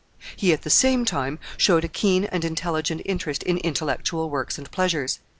He, at the same time, showed a keen and intelligent interest in intellectual works and pleasures.